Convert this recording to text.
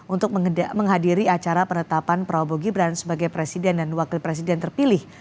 untuk menghadiri acara penetapan prabowo gibran sebagai presiden dan wakil presiden terpilih